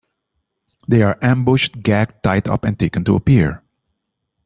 They are ambushed, gagged, tied up and taken to a pier.